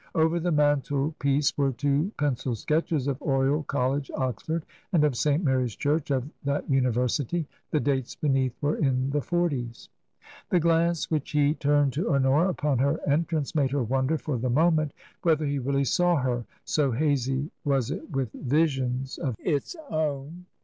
Over the mantle piece were two pencil sketches of Oriel College, Oxford, and of St. Mary's Church of that Uni versity. The dates beneath were in the forties. The glance which he turned to Honora upon her en trance made her wonder for the moment whether he really saw her, so hazy was it with visions of its own.